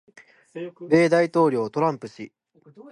米大統領トランプ氏